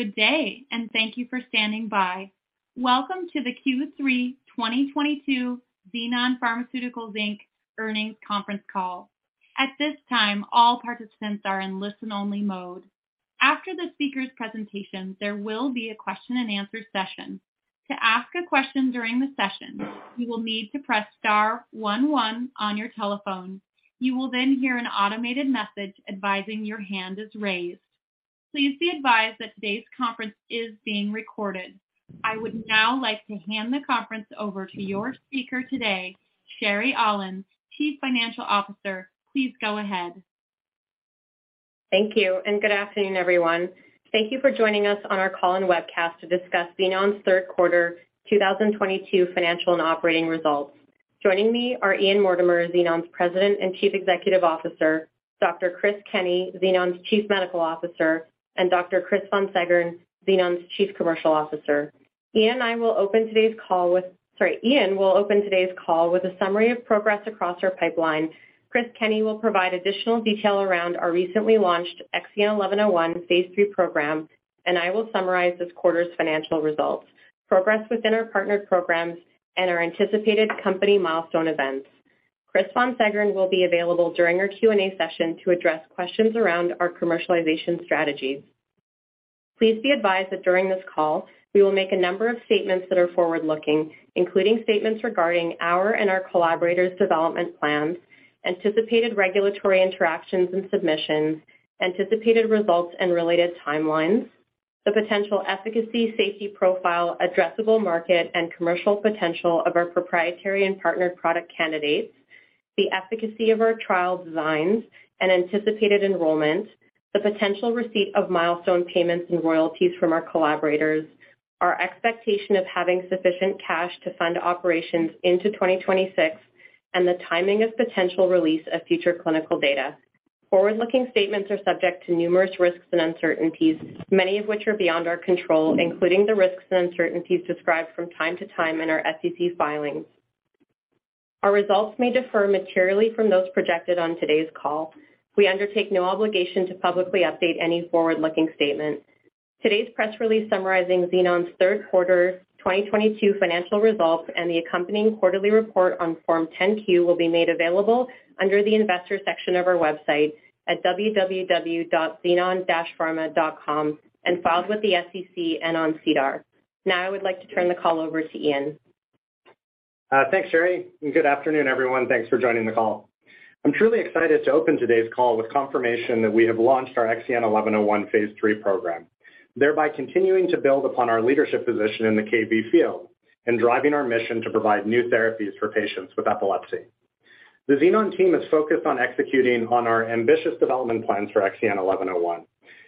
Good day, and thank you for standing by. Welcome to the Q3 2022 Xenon Pharmaceuticals Inc Earnings Conference Call. At this time, all participants are in listen-only mode. After the speaker's presentation, there will be a question-and-answer session. To ask a question during the session, you will need to press star one one on your telephone. You will then hear an automated message advising your hand is raised. Please be advised that today's conference is being recorded. I would now like to hand the conference over to your speaker today, Sherry Aulin, Chief Financial Officer. Please go ahead. Thank you, and good afternoon, everyone. Thank you for joining us on our call and webcast to discuss Xenon's third quarter 2022 financial and operating results. Joining me are Ian Mortimer, Xenon's President and Chief Executive Officer, Dr. Chris Kenney, Xenon's Chief Medical Officer, and Dr. Chris Von Seggern, Xenon's Chief Commercial Officer. Ian will open today's call with a summary of progress across our pipeline. Chris Kenney will provide additional detail around our recently launched XEN1101 Phase III program, and I will summarize this quarter's financial results, progress within our partnered programs, and our anticipated company milestone events. Chris Von Seggern will be available during our Q&A session to address questions around our commercialization strategies. Please be advised that during this call, we will make a number of statements that are forward-looking, including statements regarding our and our collaborators' development plans, anticipated regulatory interactions and submissions, anticipated results and related timelines, the potential efficacy, safety profile, addressable market, and commercial potential of our proprietary and partnered product candidates, the efficacy of our trial designs, and anticipated enrollment, the potential receipt of milestone payments and royalties from our collaborators, our expectation of having sufficient cash to fund operations into 2026, and the timing of potential release of future clinical data. Forward-looking statements are subject to numerous risks and uncertainties, many of which are beyond our control, including the risks and uncertainties described from time to time in our SEC filings. Our results may differ materially from those projected on today's call. We undertake no obligation to publicly update any forward-looking statement. Today's press release summarizing Xenon's third quarter 2022 financial results and the accompanying quarterly report on Form 10-Q will be made available under the Investors section of our website at www.xenon-pharma.com and filed with the SEC and on SEDAR. Now I would like to turn the call over to Ian. Thanks, Sherry, and good afternoon, everyone. Thanks for joining the call. I'm truly excited to open today's call with confirmation that we have launched our XEN1101 Phase III program, thereby continuing to build upon our leadership position in the Kv field and driving our mission to provide new therapies for patients with epilepsy. The Xenon team is focused on executing on our ambitious development plans for XEN1101,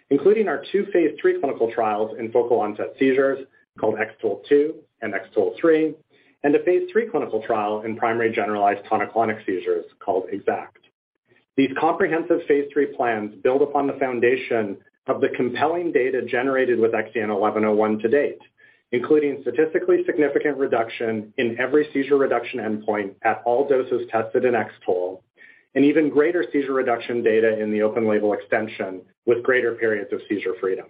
including our two Phase III clinical trials in focal onset seizures called X-TOLE2 and X-TOLE3, and a Phase III clinical trial in primary generalized tonic-clonic seizures called EXACT. These comprehensive Phase III plans build upon the foundation of the compelling data generated with XEN1101 to date, including statistically significant reduction in every seizure reduction endpoint at all doses tested in X-TOLE and even greater seizure reduction data in the open-label extension with greater periods of seizure freedom.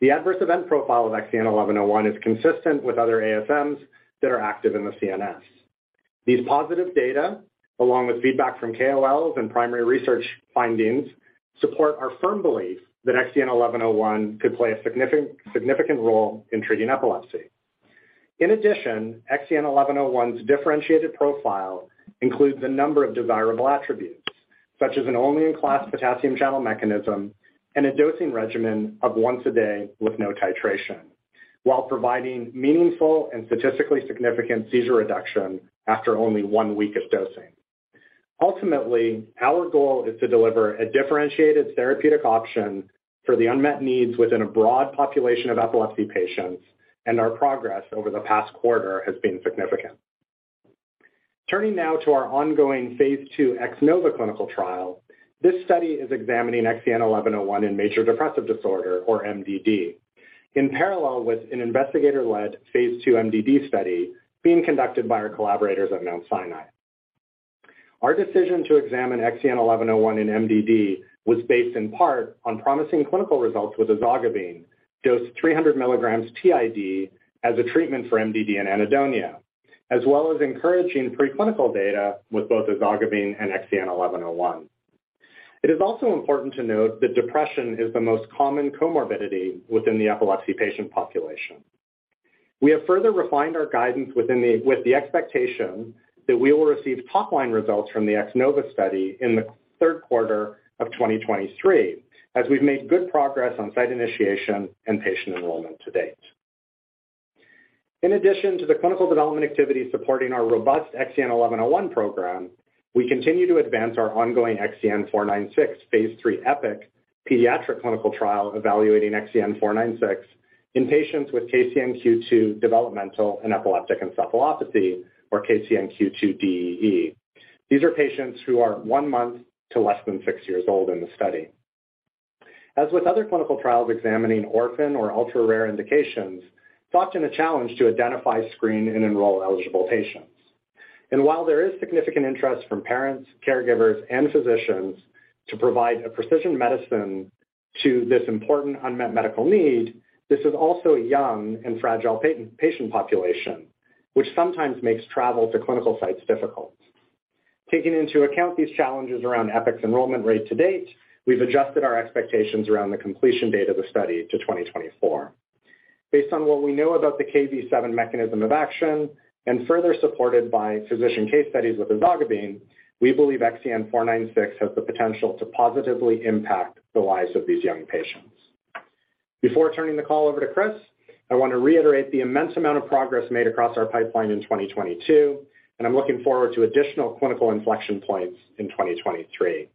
The adverse event profile of XEN1101 is consistent with other ASMs that are active in the CNS. These positive data, along with feedback from KOLs and primary research findings, support our firm belief that XEN1101 could play a significant role in treating epilepsy. In addition, XEN1101's differentiated profile includes a number of desirable attributes, such as an only-in-class potassium channel mechanism and a dosing regimen of once a day with no titration while providing meaningful and statistically significant seizure reduction after only one week of dosing. Ultimately, our goal is to deliver a differentiated therapeutic option for the unmet needs within a broad population of epilepsy patients, and our progress over the past quarter has been significant. Turning now to our ongoing Phase II X-NOVA clinical trial. This study is examining XEN1101 in major depressive disorder or MDD in parallel with an investigator-led phase II MDD study being conducted by our collaborators at Mount Sinai. Our decision to examine XEN1101 in MDD was based in part on promising clinical results with ezogabine, dosed 300 mg TID as a treatment for MDD and anhedonia, as well as encouraging preclinical data with both ezogabine and XEN1101. It is also important to note that depression is the most common comorbidity within the epilepsy patient population. We have further refined our guidance with the expectation that we will receive top-line results from the X-NOVA study in the third quarter of 2023, as we've made good progress on site initiation and patient enrollment to date. In addition to the clinical development activities supporting our robust XEN1101 program, we continue to advance our ongoing XEN496 Phase III EPIK pediatric clinical trial evaluating XEN496 in patients with KCNQ2 Developmental and Epileptic Encephalopathy or KCNQ2-DEE. These are patients who are one month to less than six years old in the study. As with other clinical trials examining orphan or ultra-rare indications, it's often a challenge to identify, screen, and enroll eligible patients. While there is significant interest from parents, caregivers, and physicians to provide a precision medicine to this important unmet medical need, this is also a young and fragile patient population, which sometimes makes travel to clinical sites difficult. Taking into account these challenges around EPIK's enrollment rate to date, we've adjusted our expectations around the completion date of the study to 2024. Based on what we know about the Kv7 mechanism of action and further supported by physician case studies with ezogabine, we believe XEN496 has the potential to positively impact the lives of these young patients. Before turning the call over to Chris, I want to reiterate the immense amount of progress made across our pipeline in 2022, and I'm looking forward to additional clinical inflection points in 2023.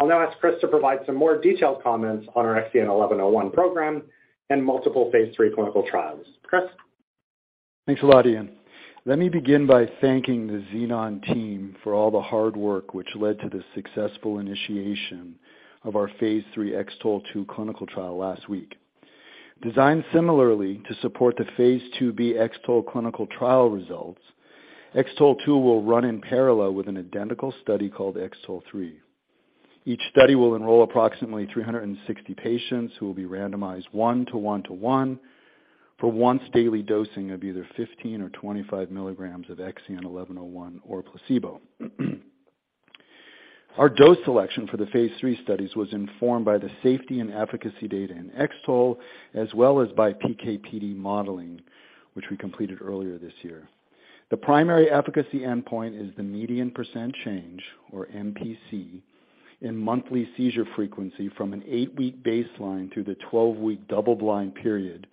I'll now ask Chris to provide some more detailed comments on our XEN1101 program and multiple phase III clinical trials. Chris? Thanks a lot, Ian. Let me begin by thanking the Xenon team for all the hard work which led to the successful initiation of our X-TOLE2 clinical trial last week. Designed similarly to support the Phase II-B X-TOLE clinical trial X-TOLE2 will run in parallel with an identical study X-TOLE3. Each study will enroll approximately 360 patients who will be randomized 1/1/1 for once daily dosing of either 15 mg or 25 mg of XEN1101 or placebo. Our dose selection for the phase III studies was informed by the safety and efficacy data in X-TOLE as well as by PK/PD modeling, which we completed earlier this year. The primary efficacy endpoint is the median percent change, or MPC, in monthly seizure frequency from an eight-week baseline through the 12-week double-blind period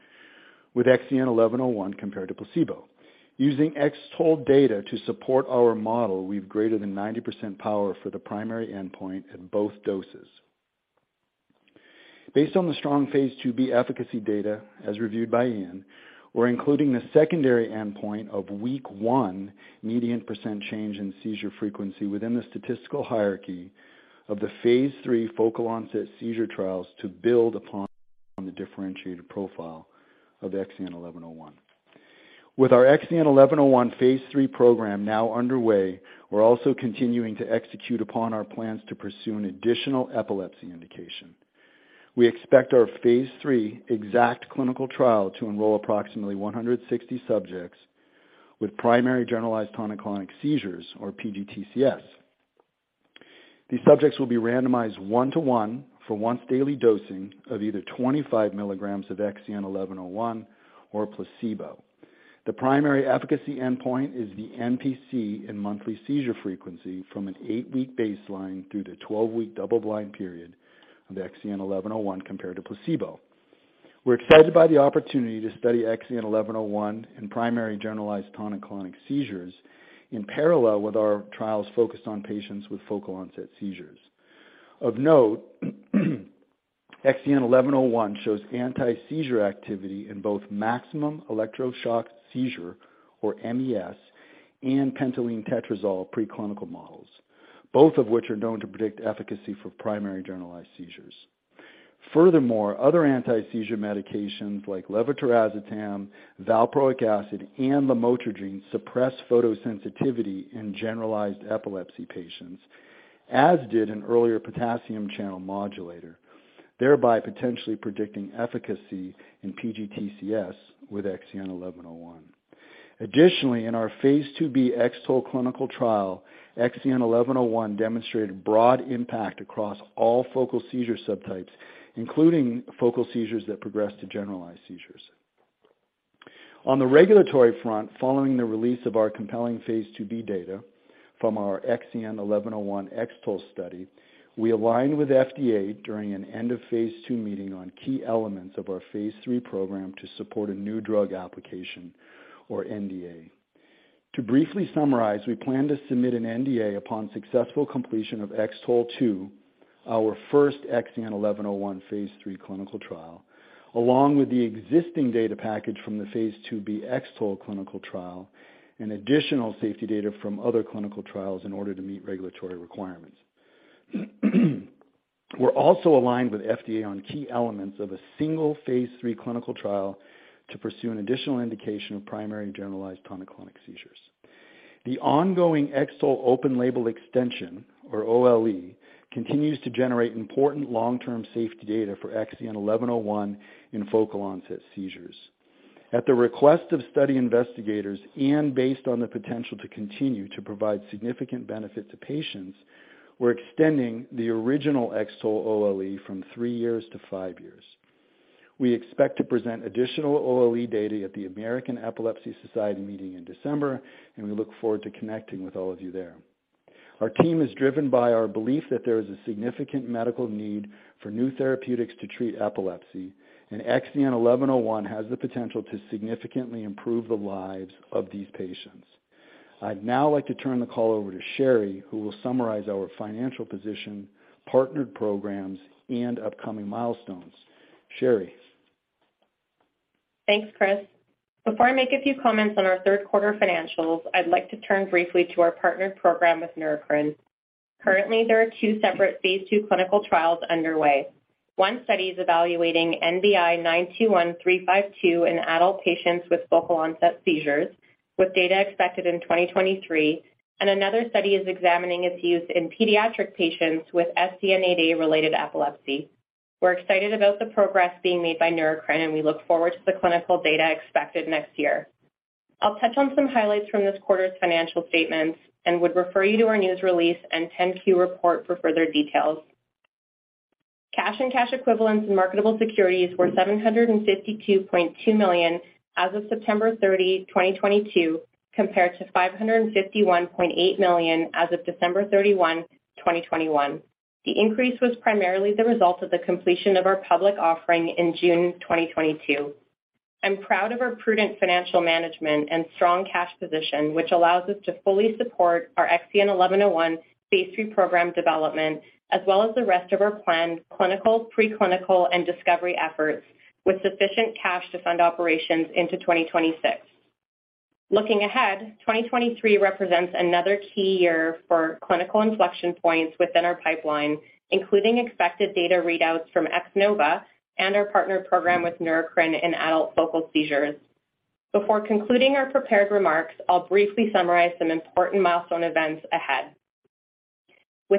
with XEN1101 compared to placebo. Using X-TOLE data to support our model, we have greater than 90% power for the primary endpoint at both doses. Based on the strong phase II-B efficacy data as reviewed by Ian, we're including the secondary endpoint of week one median percent change in seizure frequency within the statistical hierarchy of the phase III focal-onset seizure trials to build upon the differentiated profile of XEN1101. With our XEN1101 Phase III program now underway, we're also continuing to execute upon our plans to pursue an additional epilepsy indication. We expect our phase III EXACT clinical trial to enroll approximately 160 subjects with primary generalized tonic-clonic seizures, or PGTCS. These subjects will be randomized 1/1 for once daily dosing of either 25 mg of XEN1101 or a placebo. The primary efficacy endpoint is the MPC in monthly seizure frequency from an eight-week baseline through the 12-week double-blind period of XEN1101 compared to placebo. We're excited by the opportunity to study XEN1101 in primary generalized tonic-clonic seizures in parallel with our trials focused on patients with focal onset seizures. Of note, XEN1101 shows anti-seizure activity in both maximum electroshock seizure, or MES, and pentylenetetrazole preclinical models, both of which are known to predict efficacy for primary generalized seizures. Furthermore, other anti-seizure medications like levetiracetam, valproic acid, and lamotrigine suppress photosensitivity in generalized epilepsy patients, as did an earlier potassium channel modulator, thereby potentially predicting efficacy in PGTCS with XEN1101. Additionally, in our Phase II-B X-TOLE clinical trial, XEN1101 demonstrated broad impact across all focal seizure subtypes, including focal seizures that progress to generalized seizures. On the regulatory front, following the release of our compelling phase II-B data from our XEN1101 X-TOLE study, we aligned with FDA during an end of phase II meeting on key elements of our phase III program to support a new drug application or NDA. To briefly summarize, we plan to submit an NDA upon successful completion X-TOLE2, our first XEN1101 phase III clinical trial, along with the existing data package from the phase II-B X-TOLE clinical trial and additional safety data from other clinical trials in order to meet regulatory requirements. We're also aligned with FDA on key elements of a single phase III clinical trial to pursue an additional indication of primary generalized tonic-clonic seizures. The ongoing X-TOLE open-label extension, or OLE, continues to generate important long-term safety data for XEN1101 in focal onset seizures. At the request of study investigators and based on the potential to continue to provide significant benefit to patients, we're extending the original X-TOLE OLE from three years to five years. We expect to present additional OLE data at the American Epilepsy Society meeting in December, and we look forward to connecting with all of you there. Our team is driven by our belief that there is a significant medical need for new therapeutics to treat epilepsy, and XEN1101 has the potential to significantly improve the lives of these patients. I'd now like to turn the call over to Sherry, who will summarize our financial position, partnered programs, and upcoming milestones. Sherry? Thanks, Chris. Before I make a few comments on our third quarter financials, I'd like to turn briefly to our partnered program with Neurocrine. Currently, there are two separate phase II clinical trials underway. One study is evaluating NBI-921352 in adult patients with focal onset seizures, with data expected in 2023. Another study is examining its use in pediatric patients with SCN8A related epilepsy. We're excited about the progress being made by Neurocrine, and we look forward to the clinical data expected next year. I'll touch on some highlights from this quarter's financial statements and would refer you to our news release and 10-Q report for further details. Cash and cash equivalents and marketable securities were $752.2 million as of September 30, 2022, compared to $551.8 million as of December 31, 2021. The increase was primarily the result of the completion of our public offering in June 2022. I'm proud of our prudent financial management and strong cash position, which allows us to fully support our XEN1101 Phase III program development, as well as the rest of our planned clinical, preclinical, and discovery efforts with sufficient cash to fund operations into 2026. Looking ahead, 2023 represents another key year for clinical inflection points within our pipeline, including expected data readouts from X-NOVA and our partner program with Neurocrine in adult focal seizures. Before concluding our prepared remarks, I'll briefly summarize some important milestone events ahead.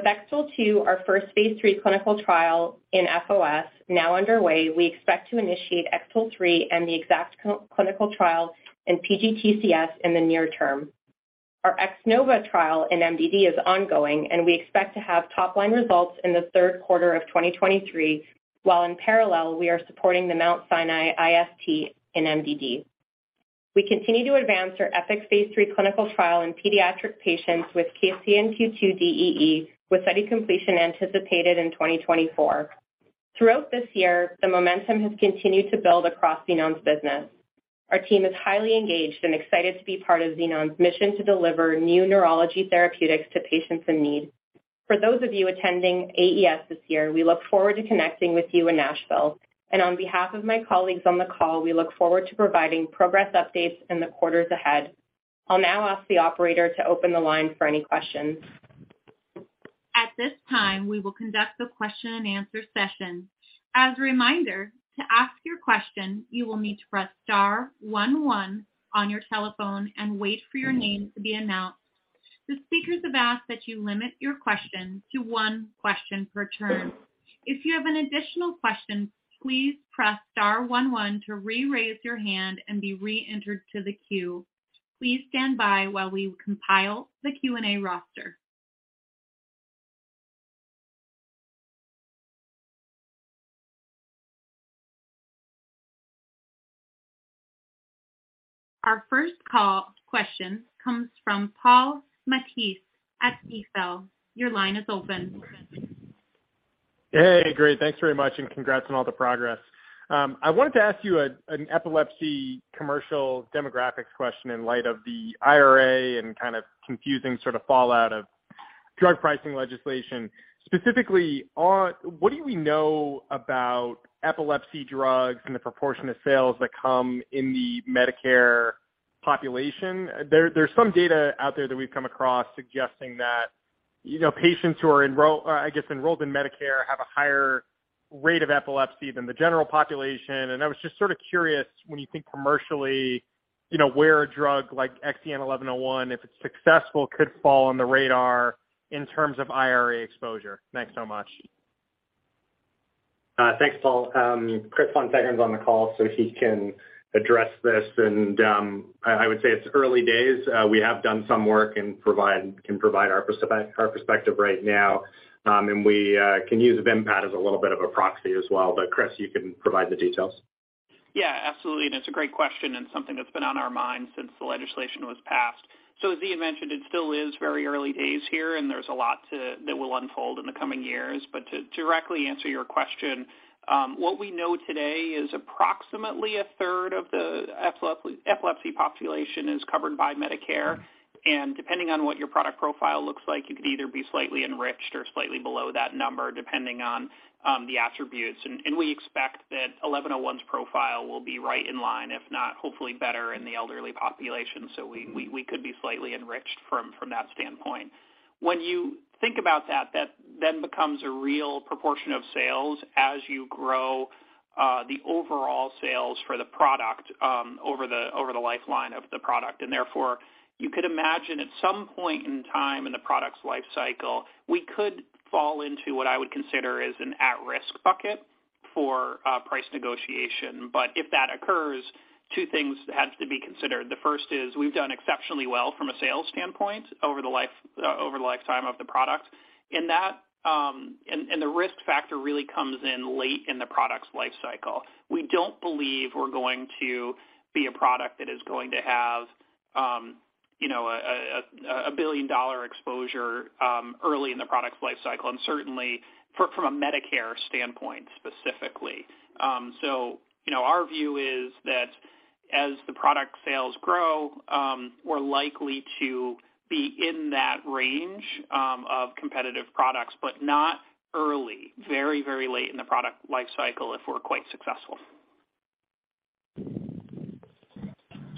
X-TOLE2, our first phase III clinical trial in FOS now underway, we expect to X-TOLE3 and the X-ACKT clinical trial in PGTCS in the near term. Our X-NOVA trial in MDD is ongoing, and we expect to have top-line results in the third quarter of 2023, while in parallel we are supporting the Mount Sinai IST in MDD. We continue to advance our EPIK phase III clinical trial in pediatric patients with KCNQ2-DEE, with study completion anticipated in 2024. Throughout this year, the momentum has continued to build across Xenon's business. Our team is highly engaged and excited to be part of Xenon's mission to deliver new neurology therapeutics to patients in need. For those of you attending AES this year, we look forward to connecting with you in Nashville. On behalf of my colleagues on the call, we look forward to providing progress updates in the quarters ahead. I'll now ask the operator to open the line for any questions. At this time, we will conduct a question-and-answer session. As a reminder, to ask your question, you will need to press star one one on your telephone and wait for your name to be announced. The speakers have asked that you limit your question to one question per turn. If you have an additional question, please press star one one to re-raise your hand and be re-entered to the queue. Please stand by while we compile the Q&A roster. Our first call question comes from Paul Matteis at Stifel. Your line is open. Hey, great. Thanks very much and congrats on all the progress. I wanted to ask you an epilepsy commercial demographics question in light of the IRA and kind of confusing sort of fallout of drug pricing legislation. Specifically, what do we know about epilepsy drugs and the proportion of sales that come in the Medicare population? There's some data out there that we've come across suggesting that, you know, patients who are enrolled in Medicare have a higher rate of epilepsy than the general population. I was just sort of curious when you think commercially, you know, where a drug like XEN1101, if it's successful, could fall on the radar in terms of IRA exposure. Thanks so much. Thanks, Paul. Chris Von Seggern is on the call, so he can address this. I would say it's early days. We have done some work and can provide our perspective right now, and we can use Vimpat as a little bit of a proxy as well. Chris, you can provide the details. Yeah, absolutely. It's a great question and something that's been on our minds since the legislation was passed. As Sherry Aulin mentioned, it still is very early days here, and there's a lot that will unfold in the coming years. To directly answer your question, what we know today is approximately a third of the epilepsy population is covered by Medicare. Depending on what your product profile looks like, you could either be slightly enriched or slightly below that number, depending on the attributes. And we expect that XEN1101's profile will be right in line, if not hopefully better in the elderly population. We could be slightly enriched from that standpoint. When you think about that then becomes a real proportion of sales as you grow, the overall sales for the product, over the lifeline of the product. Therefore, you could imagine at some point in time in the product's life cycle, we could fall into what I would consider as an at-risk bucket for price negotiation. If that occurs, two things have to be considered. The first is we've done exceptionally well from a sales standpoint over the lifetime of the product. That and the risk factor really comes in late in the product's life cycle. We don't believe we're going to be a product that is going to have, you know, a billion-dollar exposure, early in the product's life cycle, and certainly from a Medicare standpoint, specifically. You know, our view is that as the product sales grow, we're likely to be in that range of competitive products, but not early, very, very late in the product life cycle if we're quite successful.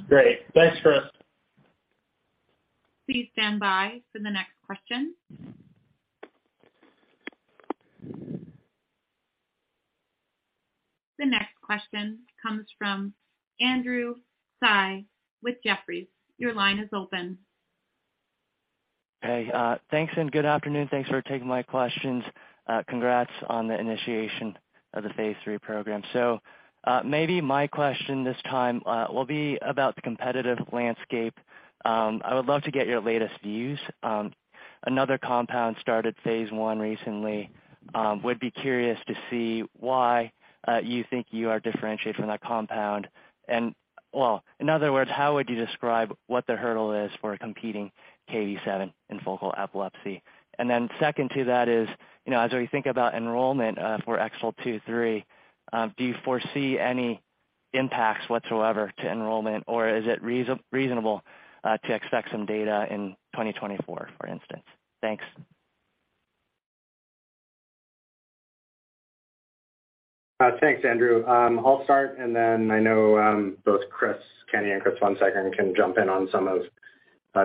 Great. Thanks, Chris. Please stand by for the next question. The next question comes from Andrew Tsai with Jefferies. Your line is open. Hey, thanks and good afternoon. Thanks for taking my questions. Congrats on the initiation of the phase III program. Maybe my question this time will be about the competitive landscape. I would love to get your latest views. Another compound started phase I recently. Would be curious to see why you think you are differentiated from that compound. Well, in other words, how would you describe what the hurdle is for a competing Kv7 in focal epilepsy? And then second to that is, you know, as we think about enrollment for X-TOLE2/3, do you foresee any impacts whatsoever to enrollment, or is it reasonable to expect some data in 2024, for instance? Thanks. Thanks, Andrew. I'll start, and then I know both Chris Kenney and Chris Von Seggern can jump in on some of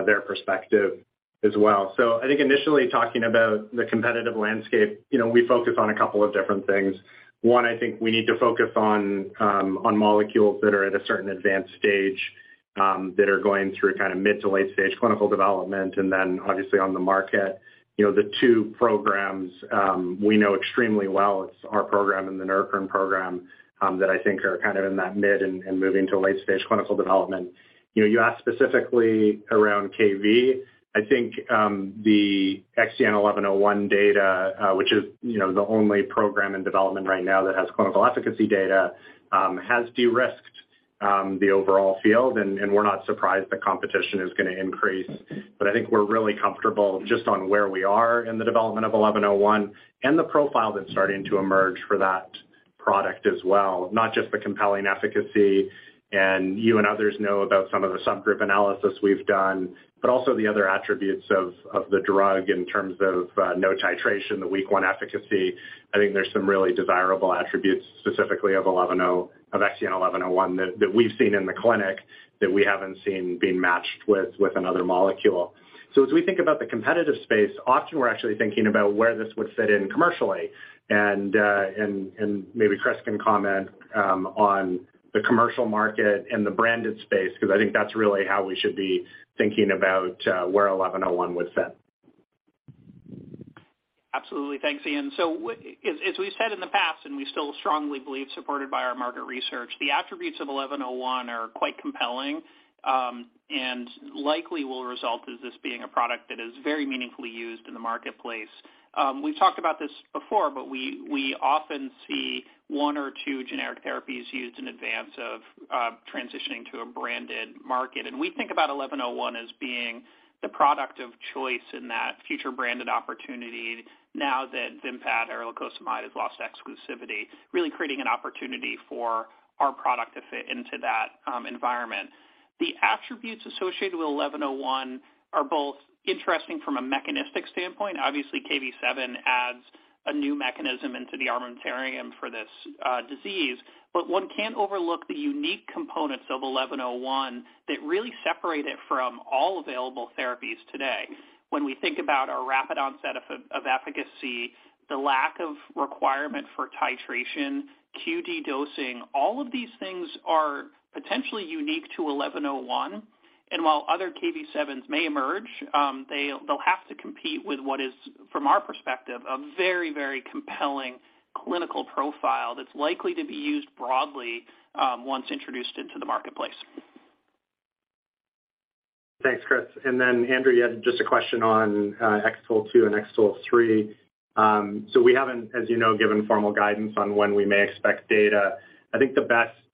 their perspective as well. I think initially talking about the competitive landscape, you know, we focus on a couple of different things. One, I think we need to focus on molecules that are at a certain advanced stage that are going through kind of mid to late-stage clinical development and then obviously on the market. You know, the two programs we know extremely well, it's our program and the Neurocrine program that I think are kind of in that mid and moving to late-stage clinical development. You know, you asked specifically around Kv. I think the XEN1101 data, which is, you know, the only program in development right now that has clinical efficacy data, has de-risked the overall field, and we're not surprised the competition is gonna increase. I think we're really comfortable just on where we are in the development of 1101 and the profile that's starting to emerge for that product as well, not just the compelling efficacy. You and others know about some of the subgroup analysis we've done, but also the other attributes of the drug in terms of no titration, the week one efficacy. I think there's some really desirable attributes specifically of XEN1101 that we've seen in the clinic that we haven't seen being matched with another molecule. As we think about the competitive space, often we're actually thinking about where this would fit in commercially. Maybe Chris can comment on the commercial market and the branded space 'cause I think that's really how we should be thinking about where 1101 would fit. Absolutely. Thanks, Ian. As we've said in the past, and we still strongly believe supported by our market research, the attributes of 1101 are quite compelling, and likely will result in this being a product that is very meaningfully used in the marketplace. We've talked about this before, but we often see one or two generic therapies used in advance of transitioning to a branded market. We think about 1101 as being the product of choice in that future branded opportunity now that Vimpat or lacosamide has lost exclusivity, really creating an opportunity for our product to fit into that environment. The attributes associated with 1101 are both interesting from a mechanistic standpoint. Obviously, Kv7 adds a new mechanism into the armamentarium for this disease. One can't overlook the unique components of 1101 that really separate it from all available therapies today. When we think about our rapid onset of efficacy, the lack of requirement for titration, QD dosing, all of these things are potentially unique to 1101. While other Kv7s may emerge, they'll have to compete with what is, from our perspective, a very, very compelling clinical profile that's likely to be used broadly, once introduced into the marketplace. Thanks, Chris. Then Andrew, you had just a question X-TOLE2 X-TOLE3. We haven't, as you know, given formal guidance on when we may expect data. I think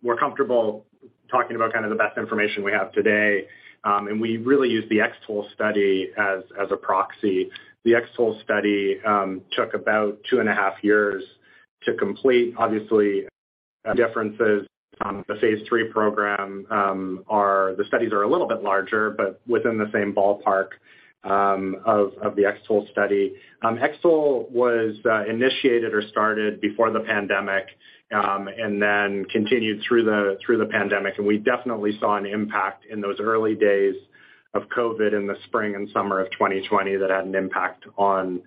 we're comfortable talking about kind of the best information we have today, and we really use the X-TOLE study as a proxy. The X-TOLE study took about two and a half years to complete. Obviously, the phase III program, the studies are a little bit larger, but within the same ballpark of the X-TOLE study. X-TOLE was initiated or started before the pandemic, and then continued through the pandemic. We definitely saw an impact in those early days of COVID in the spring and summer of 2020 that had an impact on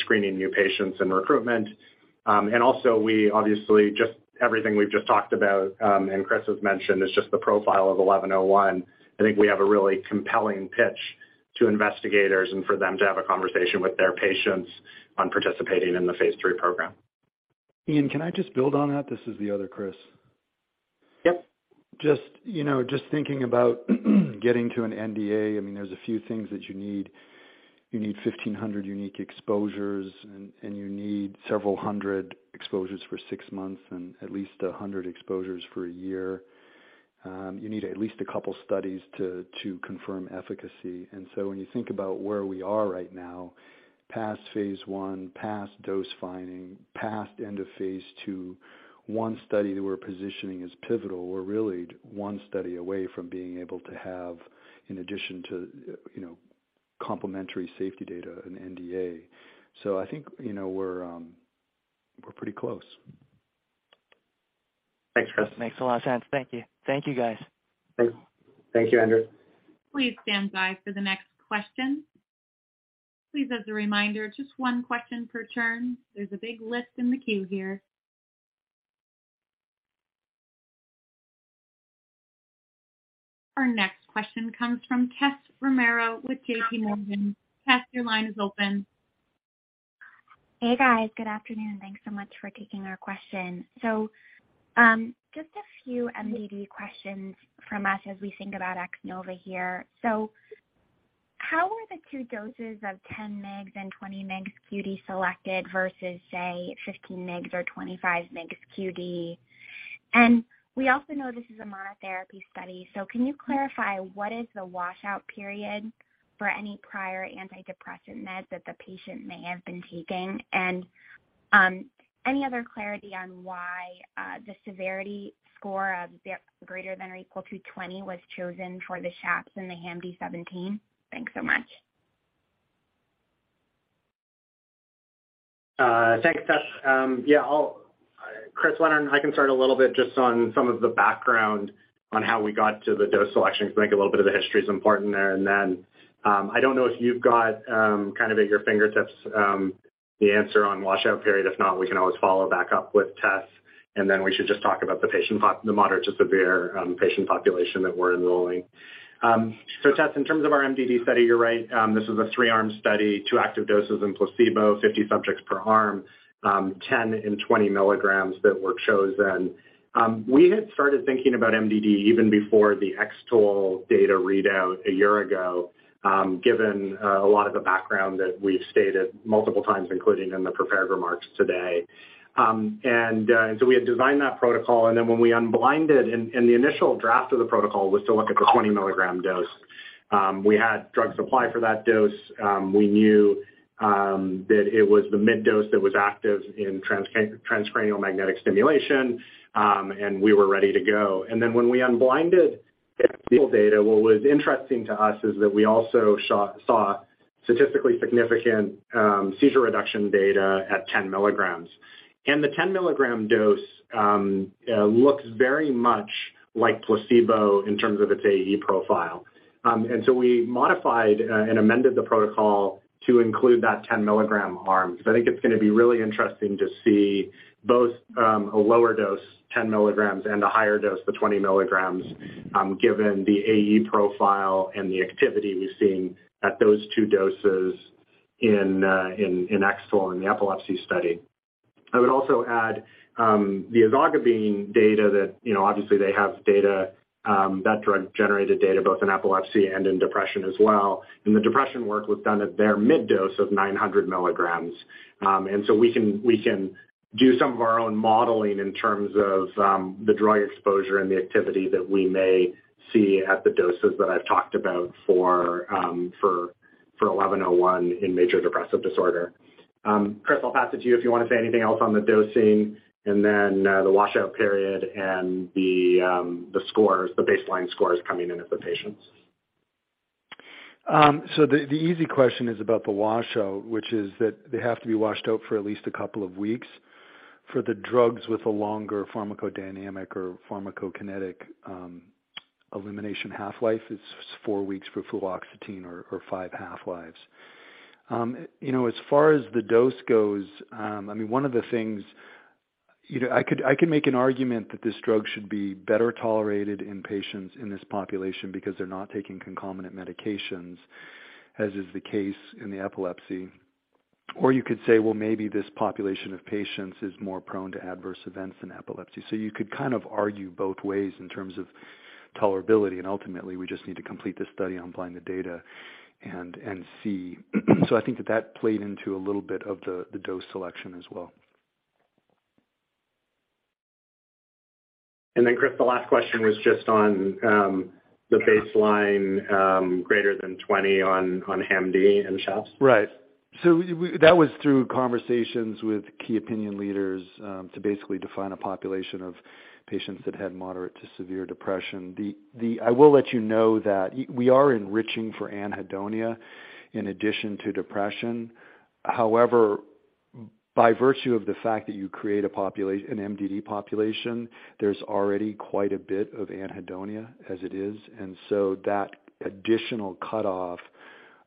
screening new patients and recruitment. We obviously everything we've just talked about and Chris has mentioned is just the profile of XEN1101. I think we have a really compelling pitch to investigators and for them to have a conversation with their patients on participating in the phase III program. Ian, can I just build on that? This is the other Chris. Yep. Just, you know, just thinking about getting to an NDA. I mean, there's a few things that you need. You need 1500 unique exposures and you need several hundred exposures for six months and at least 100 exposures for a year. You need at least a couple studies to confirm efficacy. When you think about where we are right now, past phase one, past dose finding, past end of phase two, one study that we're positioning is pivotal. We're really one study away from being able to have, in addition to, you know, complementary safety data, an NDA. I think, you know, we're pretty close. Thanks, Chris. Makes a lot of sense. Thank you. Thank you, guys. Thank you, Andrew. Please stand by for the next question. Please, as a reminder, just one question per turn. There's a big list in the queue here. Our next question comes from Tessa Romero with JPMorgan. Tessa, your line is open. Hey, guys. Good afternoon. Thanks so much for taking our question. Just a few MDD questions from us as we think about X-NOVA here. How are the two doses of 10 mg and 20 mg QD selected versus, say, 15 mg or 25 mg QD? And we also know this is a monotherapy study. Can you clarify what is the washout period for any prior antidepressant meds that the patient may have been taking? And any other clarity on why the severity score of greater than or equal to 20 was chosen for the SHAPS and the HAM-D-17? Thanks so much. Thanks, Tess. Chris, why don't I just start a little bit just on some of the background on how we got to the dose selection, 'cause I think a little bit of the history is important there. I don't know if you've got kind of at your fingertips the answer on washout period. If not, we can always follow up with Tess, and then we should just talk about the moderate to severe patient population that we're enrolling. Tess, in terms of our MDD study, you're right. This is a three-arm study, two active doses and placebo, 50 subjects per arm, 10 and 20 milligrams that were chosen. We had started thinking about MDD even before the X-TOLE data readout a year ago, given a lot of the background that we've stated multiple times, including in the prepared remarks today. We had designed that protocol, and then when we unblinded and the initial draft of the protocol was to look at the 20 mg dose. We had drug supply for that dose. We knew that it was the mid dose that was active in transcranial magnetic stimulation, and we were ready to go. When we unblinded the final data, what was interesting to us is that we also saw statistically significant seizure reduction data at 10 mg. The 10 mg dose looks very much like placebo in terms of its AE profile. We modified and amended the protocol to include that 10 mg arm. I think it's gonna be really interesting to see both a lower dose, 10 mg and a higher dose, the 20 mg, given the AE profile and the activity we're seeing at those two doses in X-TOLE in the epilepsy study. I would also add the ezogabine data that, you know, obviously they have data, that drug generated data both in epilepsy and in depression as well. The depression work was done at their mid dose of 900 mg. We can do some of our own modeling in terms of the drug exposure and the activity that we may see at the doses that I've talked about for XEN1101 in major depressive disorder. Chris, I'll pass it to you if you wanna say anything else on the dosing and then the washout period and the scores, the baseline scores coming in with the patients. The easy question is about the washout, which is that they have to be washed out for at least a couple of weeks. For the drugs with a longer pharmacodynamic or pharmacokinetic elimination half-life, it's four weeks for fluoxetine or five half-lives. You know, as far as the dose goes, I mean, one of the things. You know, I could make an argument that this drug should be better tolerated in patients in this population because they're not taking concomitant medications, as is the case in the epilepsy. You could say, well, maybe this population of patients is more prone to adverse events than epilepsy. You could kind of argue both ways in terms of tolerability, and ultimately, we just need to complete this study, unblind the data and see.I think that played into a little bit of the dose selection as well. Chris, the last question was just on the baseline greater than 20 on HAM-D and SHAPS. Right. That was through conversations with key opinion leaders to basically define a population of patients that had moderate to severe depression. I will let you know that we are enriching for anhedonia in addition to depression. However, by virtue of the fact that you create an MDD population, there's already quite a bit of anhedonia as it is. That additional cutoff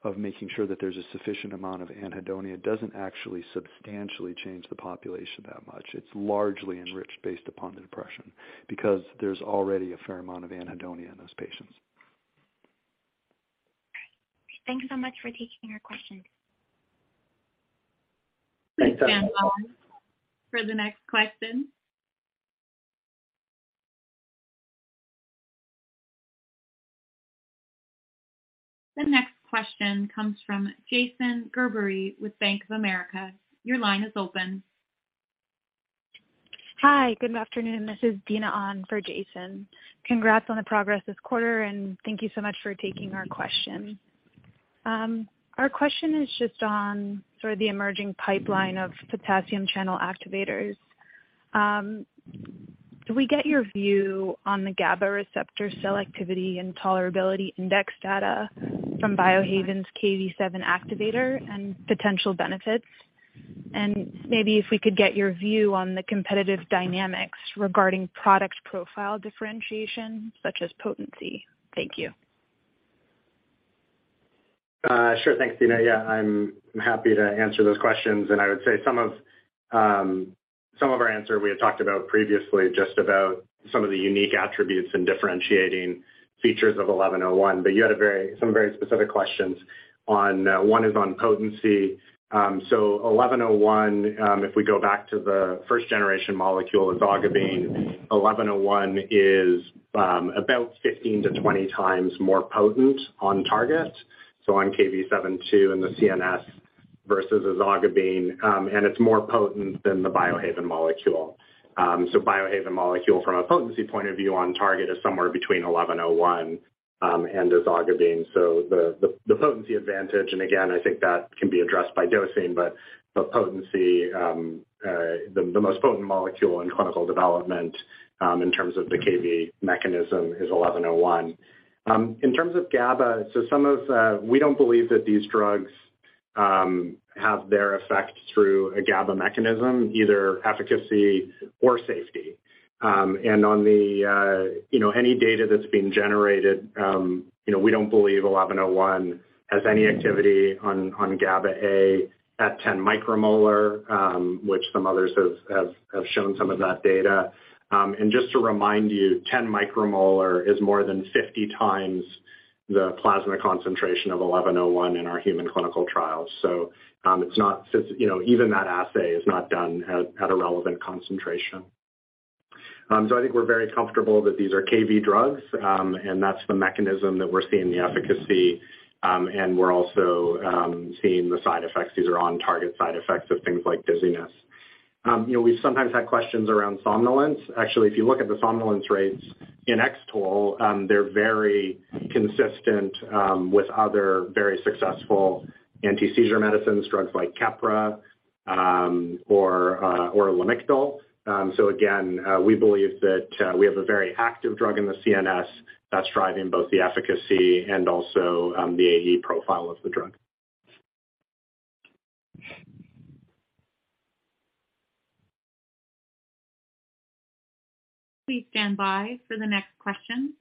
of making sure that there's a sufficient amount of anhedonia doesn't actually substantially change the population that much. It's largely enriched based upon the depression because there's already a fair amount of anhedonia in those patients. Thanks so much for taking our questions. Please stand by for the next question. The next question comes from Jason Gerberry with Bank of America. Your line is open. Hi. Good afternoon. This is Dina on for Jason. Congrats on the progress this quarter, and thank you so much for taking our question. Our question is just on sort of the emerging pipeline of potassium channel activators. Could we get your view on the GABA receptor selectivity and tolerability index data from Biohaven's Kv7 activator and potential benefits? Maybe if we could get your view on the competitive dynamics regarding product profile differentiation such as potency. Thank you. Sure. Thanks, Tina. Yeah, I'm happy to answer those questions, and I would say some of our answer we had talked about previously, just about some of the unique attributes and differentiating features of 1101. You had some very specific questions on one is on potency. 1101, if we go back to the first generation molecule, ezogabine, 1101 is about 15x-20x more potent on target, so on Kv7.2 in the CNS versus ezogabine, and it's more potent than the Biohaven molecule. Biohaven molecule from a potency point of view on target is somewhere between 1101 and ezogabine. The potency advantage, and again, I think that can be addressed by dosing, but potency, the most potent molecule in clinical development in terms of the Kv mechanism is 1101. In terms of GABA, some of we don't believe that these drugs have their effect through a GABA mechanism, either efficacy or safety. And on the you know, any data that's being generated you know, we don't believe 1101 has any activity on GABA_A at 10 µM, which some others have shown some of that data. And just to remind you, 10 µM is more than 50x the plasma concentration of 1101 in our human clinical trials. It's not you know, even that assay is not done at a relevant concentration. I think we're very comfortable that these are Kv drugs, and that's the mechanism that we're seeing the efficacy, and we're also seeing the side effects. These are on target side effects of things like dizziness. You know, we've sometimes had questions around somnolence. Actually, if you look at the somnolence rates in X-TOLE, they're very consistent with other very successful anti-seizure medicines, drugs like Keppra, or Lamictal. Again, we believe that we have a very active drug in the CNS that's driving both the efficacy and also the AE profile of the drug. Please stand by for the next question.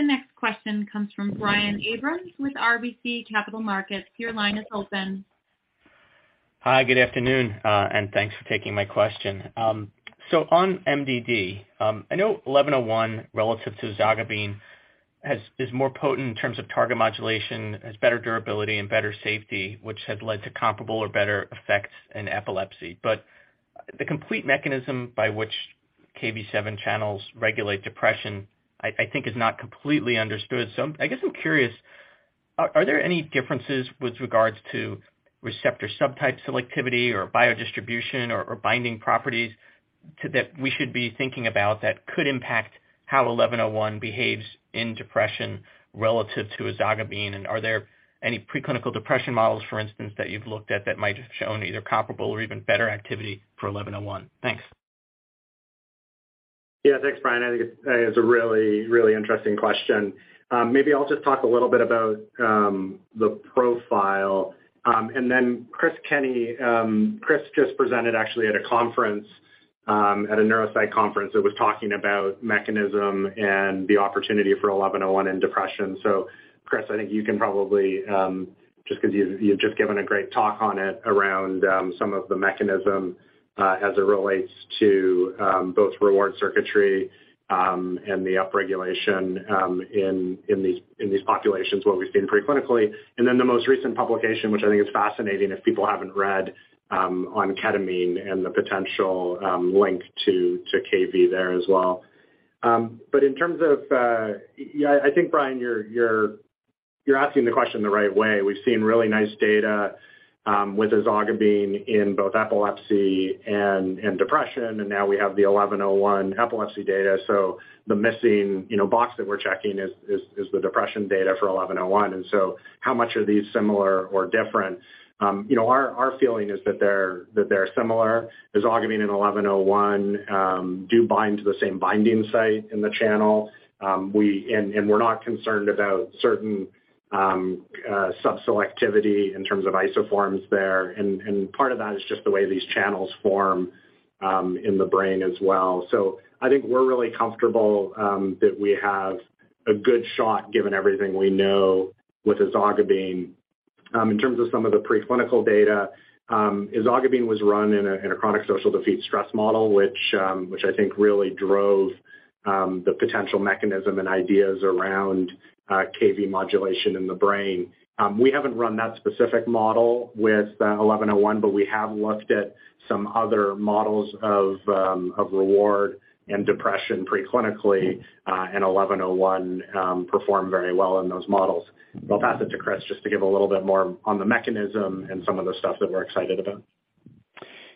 The next question comes from Brian Abrahams with RBC Capital Markets. Your line is open. Hi, good afternoon, and thanks for taking my question. On MDD, I know 1101 relative to ezogabine has, is more potent in terms of target modulation, has better durability and better safety, which has led to comparable or better effects in epilepsy. The complete mechanism by which Kv7 channels regulate depression, I think is not completely understood. I guess I'm curious, are there any differences with regards to receptor subtype selectivity or biodistribution or binding properties that we should be thinking about that could impact how 1101 behaves in depression relative to ezogabine? And are there any preclinical depression models, for instance, that you've looked at that might have shown either comparable or even better activity for 1101? Thanks. Yeah, thanks, Brian. I think it's a really interesting question. Maybe I'll just talk a little bit about the profile. And then Chris Kenney, Chris just presented actually at a conference, at a neuropsych conference that was talking about mechanism and the opportunity for 1101 in depression. So Chris, I think you can probably just 'cause you've just given a great talk on it around some of the mechanism, as it relates to both reward circuitry and the upregulation in these populations, what we've seen preclinically. Then the most recent publication, which I think is fascinating if people haven't read, on ketamine and the potential link to Kv there as well. in terms of, yeah, I think, Brian, you're asking the question the right way. We've seen really nice data with ezogabine in both epilepsy and depression, and now we have the 1101 epilepsy data. The missing, you know, box that we're checking is the depression data for 1101. How much are these similar or different? You know, our feeling is that they're similar. Ezogabine and 1101 do bind to the same binding site in the channel. We're not concerned about certain subselectivity in terms of isoforms there. Part of that is just the way these channels form in the brain as well. I think we're really comfortable that we have a good shot given everything we know with ezogabine. In terms of some of the preclinical data, ezogabine was run in a chronic social defeat stress model, which I think really drove the potential mechanism and ideas around Kv modulation in the brain. We haven't run that specific model with 1101, but we have looked at some other models of reward and depression preclinically, and 1101 performed very well in those models. I'll pass it to Chris just to give a little bit more on the mechanism and some of the stuff that we're excited about.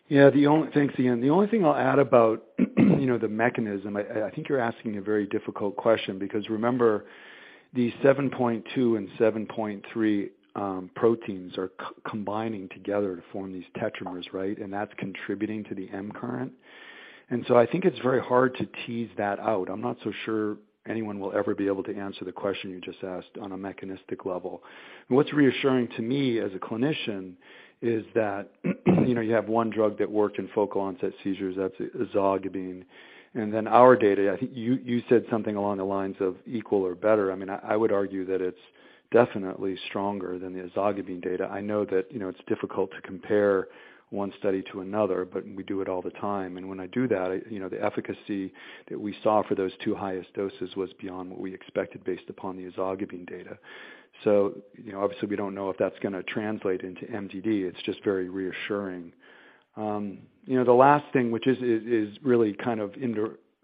Thanks again. The only thing I'll add about, you know, the mechanism. I think you're asking a very difficult question because remember the Kv7.2 and Kv7.3 proteins are combining together to form these tetramers, right? That's contributing to the M-current. I think it's very hard to tease that out. I'm not so sure anyone will ever be able to answer the question you just asked on a mechanistic level. What's reassuring to me as a clinician is that, you know, you have one drug that worked in focal onset seizures, that's ezogabine. Then our data, I think you said something along the lines of equal or better. I mean, I would argue that it's definitely stronger than the ezogabine data. I know that, you know, it's difficult to compare one study to another, but we do it all the time. When I do that, you know, the efficacy that we saw for those two highest doses was beyond what we expected based upon the ezogabine data. You know, obviously, we don't know if that's gonna translate into MDD. It's just very reassuring. You know, the last thing, which is really kind of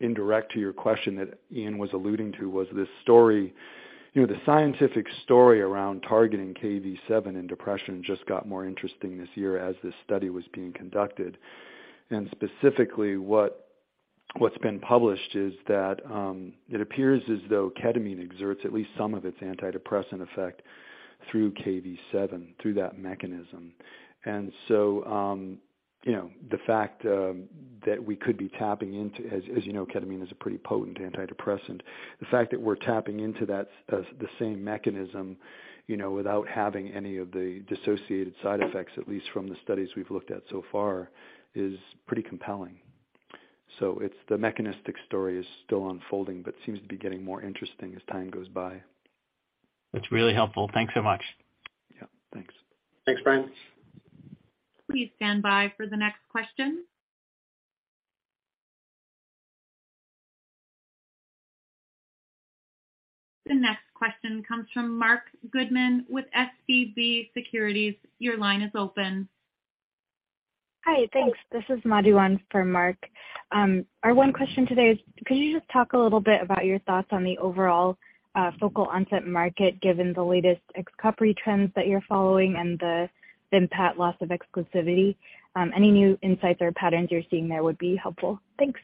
indirect to your question that Ian was alluding to was this story. You know, the scientific story around targeting Kv7 in depression just got more interesting this year as this study was being conducted. Specifically what's been published is that it appears as though ketamine exerts at least some of its antidepressant effect through Kv7, through that mechanism. You know, the fact that we could be tapping into, as you know, ketamine is a pretty potent antidepressant. The fact that we're tapping into that, the same mechanism, you know, without having any of the dissociated side effects, at least from the studies we've looked at so far, is pretty compelling. It's the mechanistic story is still unfolding, but seems to be getting more interesting as time goes by. That's really helpful. Thanks so much. Yeah, thanks. Thanks, Brian. Please stand by for the next question. The next question comes from Marc Goodman with SVB Securities. Your line is open. Hi. Thanks. This is Madhu for Marc. Our one question today is, could you just talk a little bit about your thoughts on the overall focal onset market given the latest Xcopri trends that you're following and the Vimpat loss of exclusivity? Any new insights or patterns you're seeing there would be helpful. Thanks.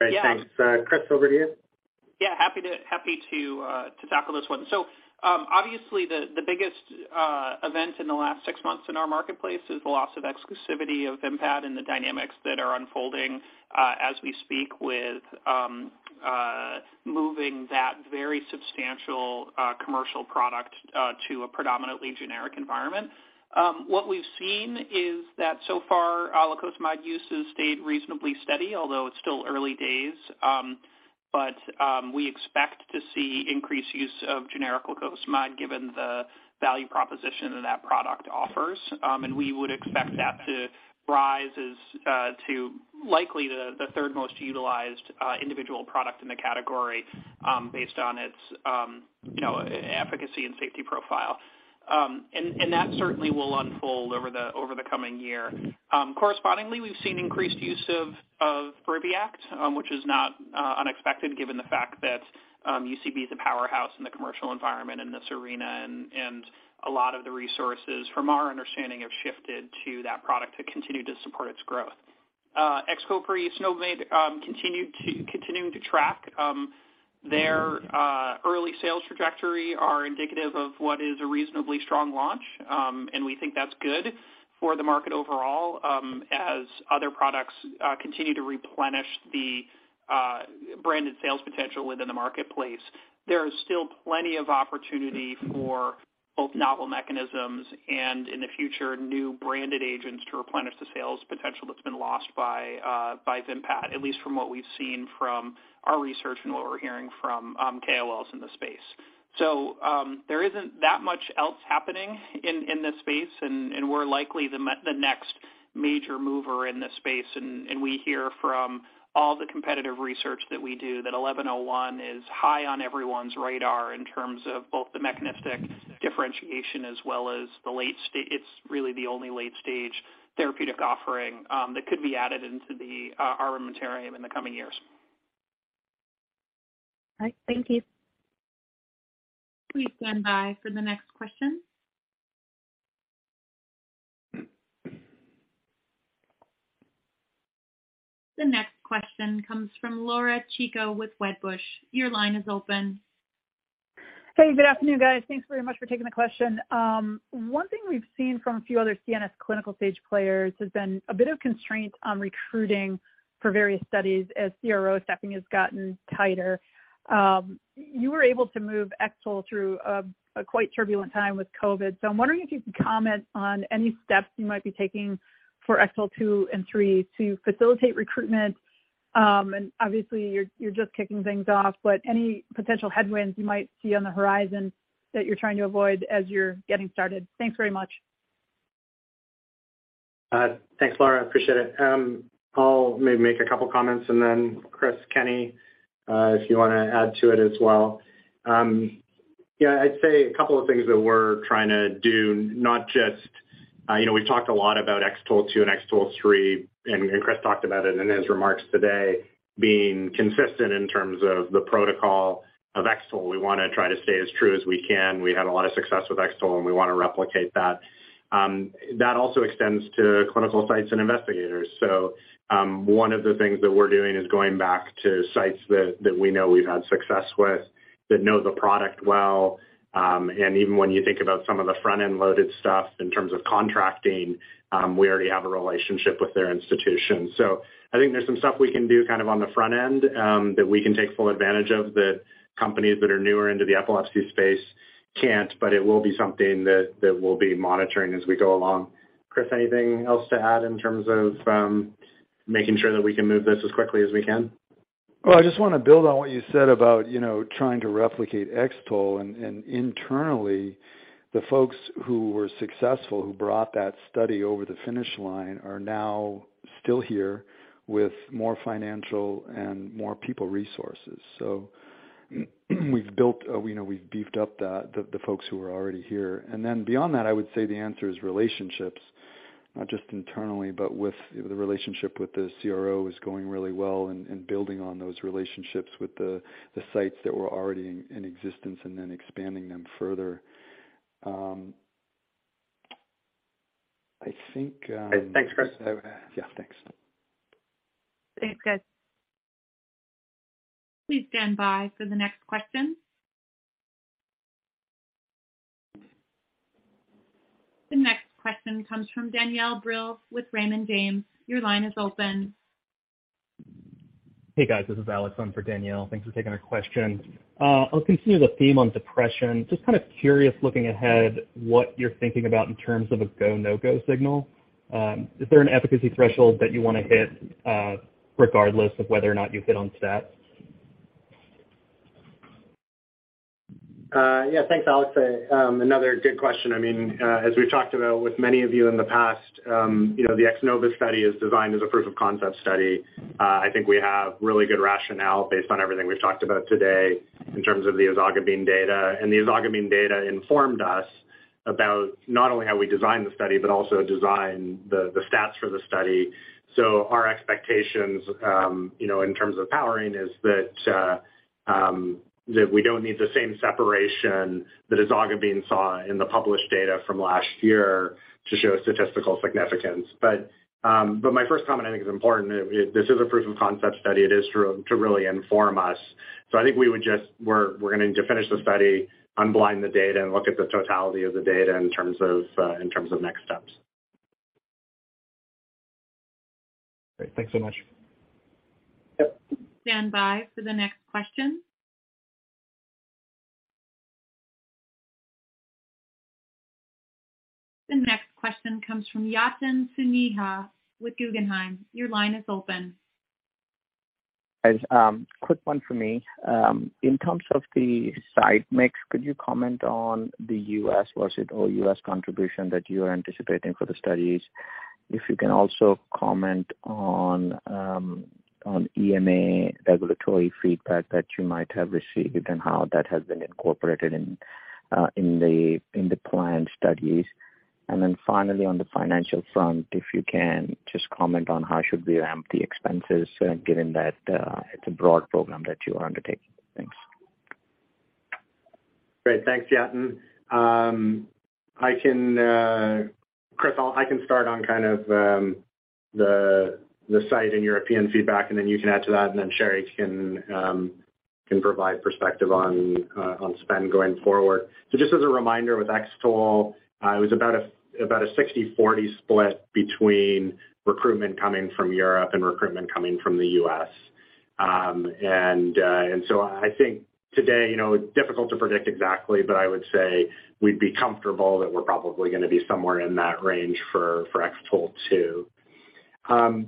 Great. Thanks. Yeah. Chris, over to you. Yeah, happy to tackle this one. Obviously the biggest event in the last six months in our marketplace is the loss of exclusivity of Vimpat and the dynamics that are unfolding as we speak with moving that very substantial commercial product to a predominantly generic environment. What we've seen is that so far, lacosamide use has stayed reasonably steady, although it's still early days. We expect to see increased use of generic lacosamide given the value proposition that product offers. We would expect that to rise to likely the third most utilized individual product in the category based on its you know efficacy and safety profile. That certainly will unfold over the coming year. Correspondingly, we've seen increased use of Briviact, which is not unexpected given the fact that UCB is a powerhouse in the commercial environment in this arena. A lot of the resources from our understanding have shifted to that product to continue to support its growth. Xcopri, cenobamate, continuing to track their early sales trajectory are indicative of what is a reasonably strong launch. We think that's good for the market overall, as other products continue to replenish the branded sales potential within the marketplace. There is still plenty of opportunity for both novel mechanisms and in the future, new branded agents to replenish the sales potential that's been lost by Vimpat, at least from what we've seen from our research and what we're hearing from KOLs in the space. There isn't that much else happening in this space, and we're likely the next major mover in this space. We hear from all the competitive research that we do that XEN1101 is high on everyone's radar in terms of both the mechanistic differentiation as well as the late-stage therapeutic offering that could be added into the armamentarium in the coming years. All right. Thank you. Please stand by for the next question. The next question comes from Laura Chico with Wedbush. Your line is open. Hey, good afternoon, guys. Thanks very much for taking the question. One thing we've seen from a few other CNS clinical stage players has been a bit of constraint on recruiting for various studies as CRO staffing has gotten tighter. You were able to move X-TOLE through a quite turbulent time with COVID. I'm wondering if you could comment on any steps you might be taking X-TOLE2 X-TOLE3 to facilitate recruitment. And obviously, you're just kicking things off, but any potential headwinds you might see on the horizon that you're trying to avoid as you're getting started. Thanks very much. Thanks, Laura. Appreciate it. I'll maybe make a couple comments and then Chris Kenney, if you wanna add to it as well. Yeah, I'd say a couple of things that we're trying to do, not just, you know, we've talked a lot X-TOLE2 X-TOLE3, and Chris talked about it in his remarks today, being consistent in terms of the protocol of X-TOLE. We wanna try to stay as true as we can. We had a lot of success with X-TOLE, and we wanna replicate that. That also extends to clinical sites and investigators. One of the things that we're doing is going back to sites that we know we've had success with, that know the product well. Even when you think about some of the front-end loaded stuff in terms of contracting, we already have a relationship with their institution. I think there's some stuff we can do kind of on the front end, that we can take full advantage of that companies that are newer into the epilepsy space can't, but it will be something that we'll be monitoring as we go along. Chris, anything else to add in terms of making sure that we can move this as quickly as we can? Well, I just wanna build on what you said about, you know, trying to replicate X-TOLE. Internally, the folks who were successful, who brought that study over the finish line are now still here with more financial and more people resources. We know we've beefed up the folks who are already here. Then beyond that, I would say the answer is relationships, not just internally, but the relationship with the CRO is going really well and building on those relationships with the sites that were already in existence and then expanding them further. Thanks, Chris. Yeah, thanks. Thanks, guys. Please stand by for the next question. The next question comes from Danielle Brill with Raymond James. Your line is open. Hey, guys. This is Alex on for Danielle Brill. Thanks for taking our question. I'll continue the theme on depression. Just kind of curious, looking ahead, what you're thinking about in terms of a go, no-go signal. Is there an efficacy threshold that you wanna hit, regardless of whether or not you hit on stats? Yeah. Thanks, Alex. Another good question. I mean, as we've talked about with many of you in the past, you know, the X-NOVA study is designed as a proof of concept study. I think we have really good rationale based on everything we've talked about today in terms of the ezogabine data. The ezogabine data informed us about not only how we design the study, but also design the stats for the study. Our expectations, you know, in terms of powering is that we don't need the same separation that ezogabine saw in the published data from last year to show statistical significance. But my first comment I think is important. This is a proof of concept study. It is to really inform us. I think we're gonna need to finish the study, unblind the data and look at the totality of the data in terms of next steps. Great. Thanks so much. Yep. Stand by for the next question. The next question comes from Yatin Suneja with Guggenheim. Your line is open. Guys, quick one for me. In terms of the site mix, could you comment on the U.S. sites or U.S. contribution that you are anticipating for the studies? If you can also comment on EMA regulatory feedback that you might have received and how that has been incorporated in the planned studies. Finally, on the financial front, if you can just comment on how should we ramp the expenses given that it's a broad program that you are undertaking. Thanks. Great. Thanks, Yatin. I can start on kind of the site and European feedback, and then you can add to that, and then Sherry can provide perspective on spend going forward. Just as a reminder with X-TOLE, it was about a 60/40 split between recruitment coming from Europe and recruitment coming from the U.S. I think today, you know, it's difficult to predict exactly, but I would say we'd be comfortable that we're probably gonna be somewhere in that range X-TOLE2.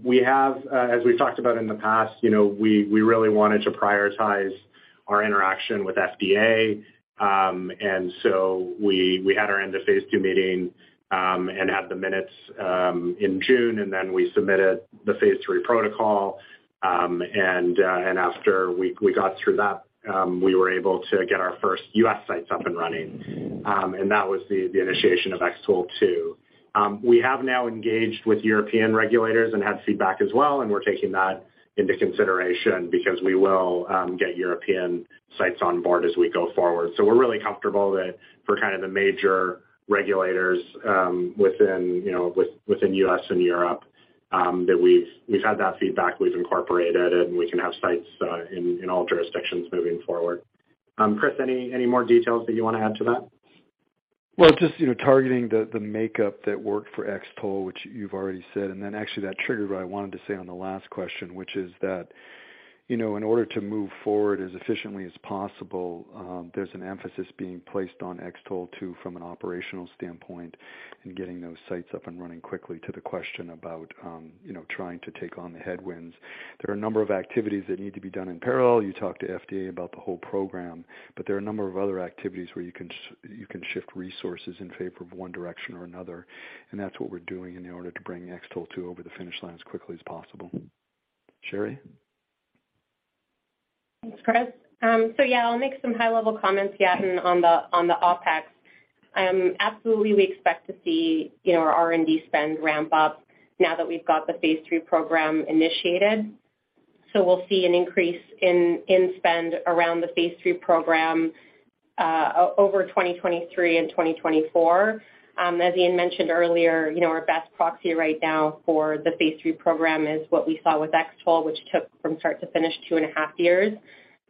We have, as we've talked about in the past, you know, we really wanted to prioritize our interaction with FDA. We had our end of phase two meeting and had the minutes in June, and then we submitted the phase III protocol. After we got through that, we were able to get our first U.S. sites up and running. That was the initiation X-TOLE2. We have now engaged with European regulators and had feedback as well, and we're taking that into consideration because we will get European sites on board as we go forward. We're really comfortable that for kind of the major regulators within, you know, within U.S. and Europe that we've had that feedback, we've incorporated, and we can have sites in all jurisdictions moving forward. Chris, any more details that you wanna add to that? Well, just, you know, targeting the makeup that worked for X-TOLE, which you've already said, and then actually that triggered what I wanted to say on the last question, which is that, you know, in order to move forward as efficiently as possible, there's an emphasis being placed X-TOLE2 from an operational standpoint and getting those sites up and running quickly to the question about, you know, trying to take on the headwinds. There are a number of activities that need to be done in parallel. You talk to FDA about the whole program, but there are a number of other activities where you can shift resources in favor of one direction or another, and that's what we're doing in order to bring X-TOLE over the finish line as quickly as possible. Sherry? Thanks, Chris. Yeah, I'll make some high-level comments yet on the OpEx. Absolutely we expect to see, you know, R&D spend ramp up now that we've got the phase III program initiated. We'll see an increase in spend around the phase III program over 2023 and 2024. As Ian mentioned earlier, you know, our best proxy right now for the phase III program is what we saw with X-TOLE, which took from start to finish 2.5 years.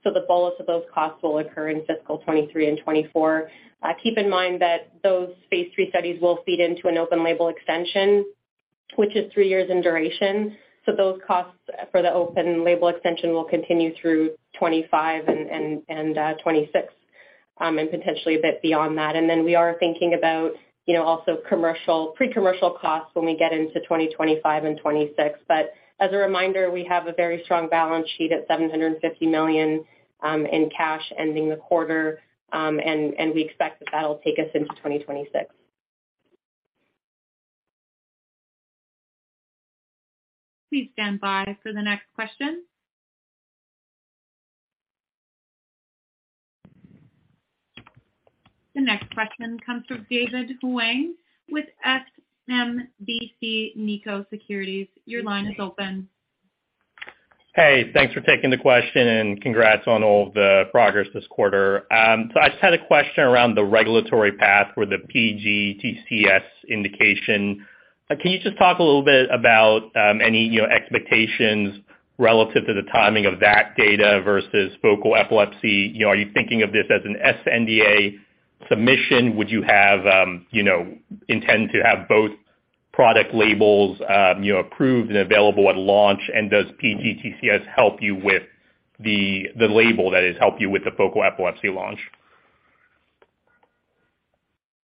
The bulk of those costs will occur in fiscal 2023 and 2024. Keep in mind that those phase III studies will feed into an open label extension, which is 3 years in duration. Those costs for the open label extension will continue through 2025 and 2026 and potentially a bit beyond that. We are thinking about, you know, also commercial, pre-commercial costs when we get into 2025 and 2026. As a reminder, we have a very strong balance sheet at $750 million in cash ending the quarter. We expect that that'll take us into 2026. Please stand by for the next question. The next question comes from David Hoang with SMBC Nikko Securities. Your line is open. Hey, thanks for taking the question and congrats on all the progress this quarter. I just had a question around the regulatory path for the PGTCS indication. Can you just talk a little bit about any, you know, expectations relative to the timing of that data versus focal epilepsy? You know, are you thinking of this as an sNDA submission? Would you have, you know, intend to have both product labels, you know, approved and available at launch? Does PGTCS help you with the label that has helped you with the focal epilepsy launch?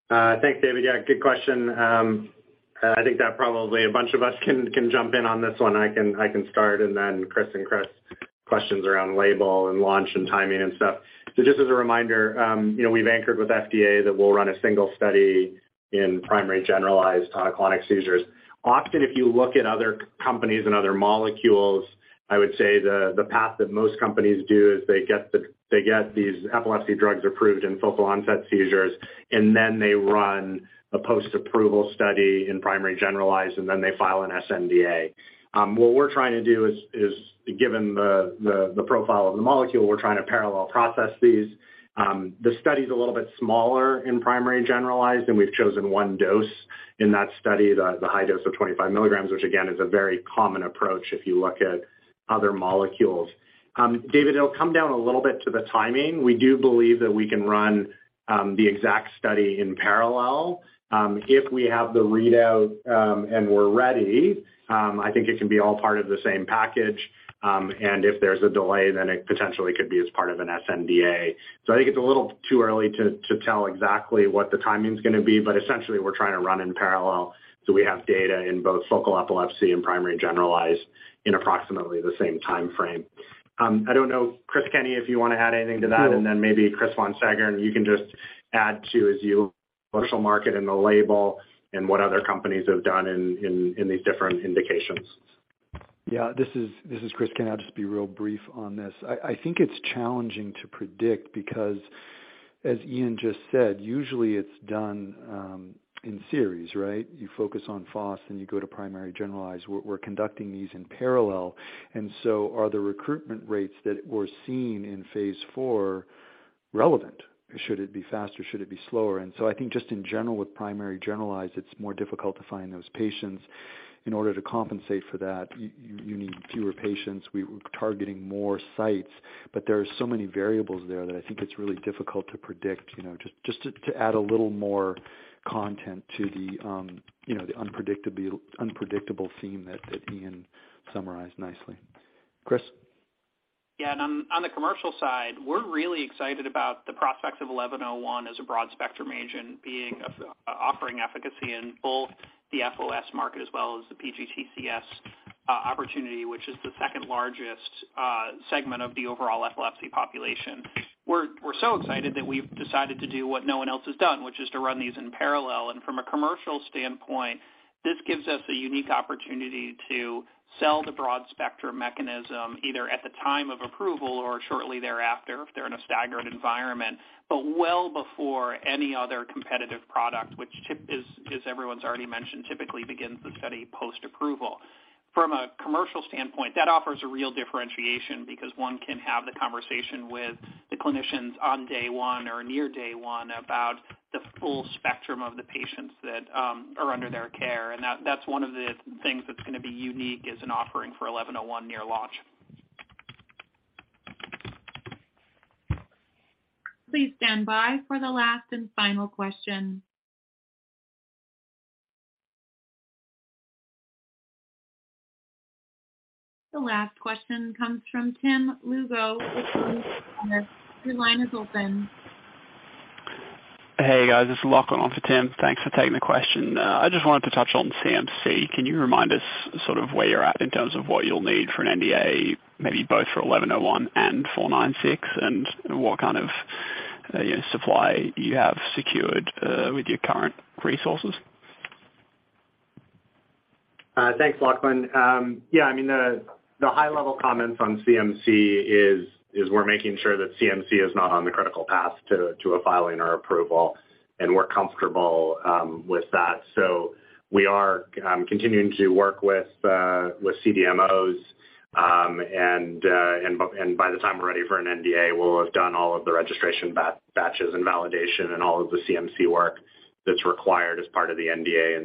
Thanks, David. Yeah, good question. I think that probably a bunch of us can jump in on this one. I can start and then Chris and Chris, questions around label and launch and timing and stuff. Just as a reminder, you know, we've anchored with FDA that we'll run a single study in primary generalized tonic-clonic seizures. Often, if you look at other companies and other molecules, I would say the path that most companies do is they get these epilepsy drugs approved in focal onset seizures, and then they run a post-approval study in primary generalized, and then they file an sNDA. What we're trying to do is given the profile of the molecule, we're trying to parallel process these. The study is a little bit smaller in primary generalized, and we've chosen one dose in that study, the high dose of 25 mg, which again is a very common approach if you look at other molecules. David, it'll come down a little bit to the timing. We do believe that we can run the EXACT study in parallel. If we have the readout and we're ready, I think it can be all part of the same package. If there's a delay, then it potentially could be as part of an sNDA. I think it's a little too early to tell exactly what the timing is going to be, but essentially we're trying to run in parallel. We have data in both focal epilepsy and primary generalized in approximately the same timeframe. I don't know, Chris Kenney, if you want to add anything to that. Sure. Maybe Chris Von Seggern, you can just add to as you commercial market and the label and what other companies have done in these different indications. Yeah. This is Chris Kenney. I'll just be real brief on this. I think it's challenging to predict because as Ian just said, usually it's done in series, right? You focus on FOS and you go to primary generalized. We're conducting these in parallel. Are the recruitment rates that were seen in phase IV relevant? Should it be faster? Should it be slower? I think just in general with primary generalized, it's more difficult to find those patients. In order to compensate for that, you need fewer patients. We were targeting more sites, but there are so many variables there that I think it's really difficult to predict. You know, just to add a little more content to the, you know, the unpredictable theme that Ian summarized nicely. Chris? Yeah. On the commercial side, we're really excited about the prospects of 1101 as a broad-spectrum agent offering efficacy in both the FOS market as well as the PGTCS opportunity, which is the second-largest segment of the overall epilepsy population. We're so excited that we've decided to do what no one else has done, which is to run these in parallel. From a commercial standpoint, this gives us a unique opportunity to sell the broad-spectrum mechanism either at the time of approval or shortly thereafter if they're in a staggered environment, but well before any other competitive product, which, as everyone's already mentioned, typically begins the study post-approval. From a commercial standpoint, that offers a real differentiation because one can have the conversation with the clinicians on day one or near day one about the full spectrum of the patients that are under their care. That's one of the things that's gonna be unique is an offering for XEN1101 near launch. Please stand by for the last and final question. The last question comes from Tim Lugo with Deutsche Bank. Your line is open. Hey, guys. It's Lachlan on for Tim. Thanks for taking the question. I just wanted to touch on CMC. Can you remind us sort of where you're at in terms of what you'll need for an NDA, maybe both for 1101 and 496? What kind of, you know, supply you have secured, with your current resources? Thanks, Lachlan. I mean the high level comments on CMC is we're making sure that CMC is not on the critical path to a filing or approval, and we're comfortable with that. We are continuing to work with CDMOs. By the time we're ready for an NDA, we'll have done all of the registration batches and validation and all of the CMC work that's required as part of the NDA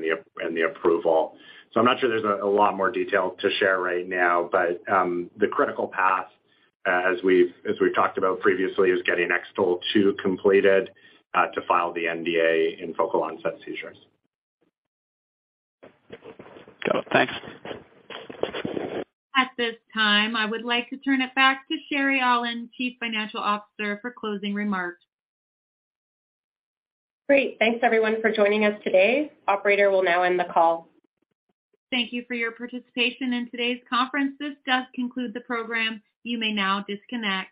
and the approval. I'm not sure there's a lot more detail to share right now, but the critical path, as we've talked about previously, is X-TOLE2 completed to file the NDA in focal onset seizures. Got it. Thanks. At this time, I would like to turn it back to Sherry Aulin, Chief Financial Officer, for closing remarks. Great. Thanks everyone for joining us today. Operator will now end the call. Thank you for your participation in today's conference. This does conclude the program. You may now disconnect.